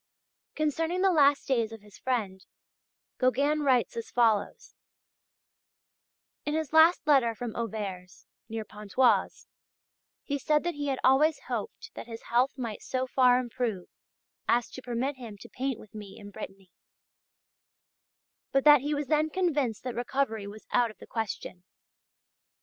Concerning the last days of his friend, Gauguin writes as follows: "In his last letter from Auvers, near Pontoise, he said that he had always hoped that his health might so far improve as to permit him to paint with me in Brittany, but that he was then convinced that recovery was out of the question.